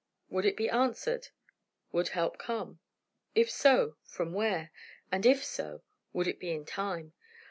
Would it be answered? Would help come? If so, from where? And if so, would it be in time?